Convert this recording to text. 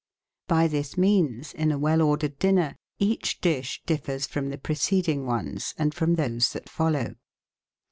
By this means, in a well ordered dinner, each dish differs from the preceding ones and from those that follow.